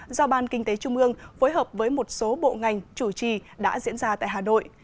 do ban kinh tế trung ương phối hợp với một số bộ ngành chủ trì đã diễn ra tại hà nội